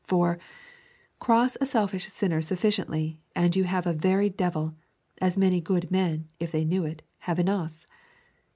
For, cross a selfish sinner sufficiently and you have a very devil as many good men, if they knew it, have in us.